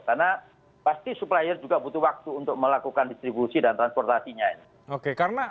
karena pasti supplier juga butuh waktu untuk melakukan distribusi dan transportasinya